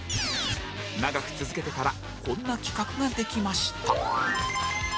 長く続けてたらこんな企画ができました